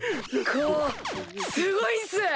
こうすごいんす！